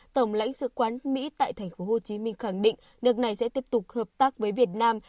tổng lãnh sự quán mỹ tại thành phố hồ chí minh khẳng định nước này sẽ tiếp tục hợp tác với việt nam